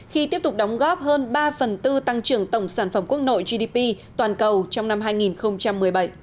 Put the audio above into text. khi tiếp tục đóng góp hơn ba phần tư tăng trưởng tổng sản phẩm quốc nội gdp toàn cầu trong năm hai nghìn một mươi bảy